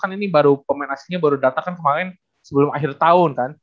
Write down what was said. kan ini baru pemain aslinya baru datang kan kemarin sebelum akhir tahun kan